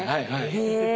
へえ。